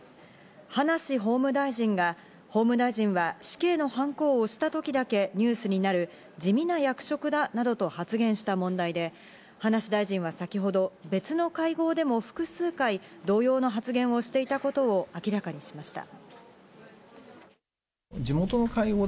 葉梨法務大臣が法務大臣は死刑のはんこを押したときだけニュースになる地味な役職だなどと発言した問題で、葉梨大臣は先ほど別の会合でも複数回、同様の発言をしていたことを明らかにしました。